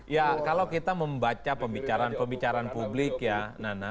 ya kalau kita membaca pembicaraan pembicaraan publik ya nana